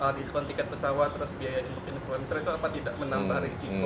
terus biaya untuk pinduk luar negeri itu apa tidak menambah risiko